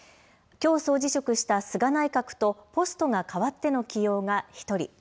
きょう総辞職した菅内閣とポストが変わっての起用が１人。